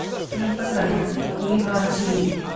この一発があります、グリガラシビリ。